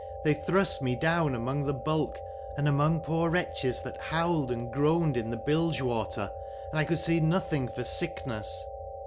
They thrust me down among the bulk, and among poor wretches that howled and groaned in the bilgewater, and I could see nothing for sickness.